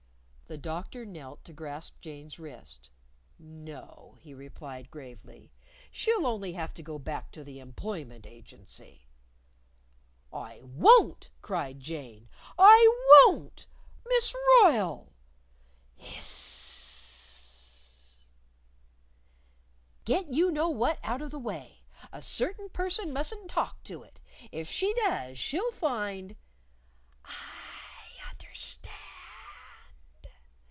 The Doctor knelt to grasp Jane's wrist. "No," he answered gravely; "she'll only have to go back to the Employment Agency." "I won't!" cried Jane. "I won't! Miss Royle!" "Hiss ss ss!" "Get you know what out of the way! A certain person musn't talk to it! If she does she'll find " "I understand!"